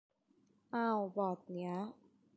อ่าวบอทเนีย